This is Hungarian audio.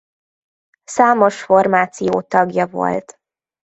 Számos formáció tagja volt.